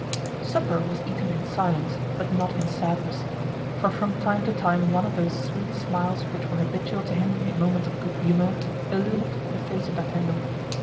Supper was eaten in silence, but not in sadness; for from time to time one of those sweet smiles which were habitual to him in moments of good humor illumined the face of D'Artagnan.